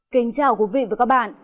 kính chào quý vị và các bạn